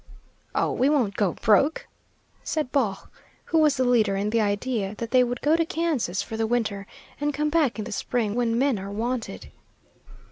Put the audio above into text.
"Oh, we won't go broke," said Baugh, who was the leader in the idea that they would go to Kansas for the winter, and come back in the spring when men are wanted.